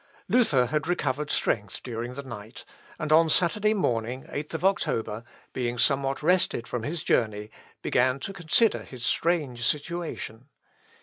Luther had recovered strength during the night, and on Saturday morning 8th October, being somewhat rested from his journey, began to consider his strange situation.